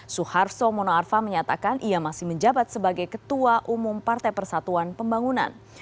suharto mono arfa menyatakan ia masih menjabat sebagai ketua umum partai persatuan pembangunan